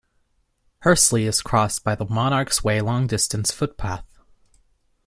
Hursley is crossed by the Monarch's Way long distance footpath.